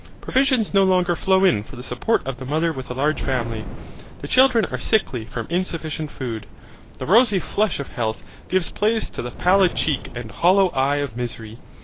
Provisions no longer flow in for the support of the mother with a large family. The children are sickly from insufficient food. The rosy flush of health gives place to the pallid cheek and hollow eye of misery.